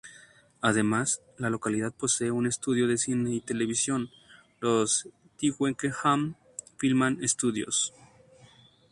Además, la localidad posee un estudio de cine y televisión, los Twickenham Film Studios.